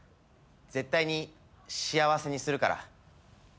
絶対に幸せにするから。